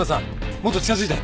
もっと近づいて。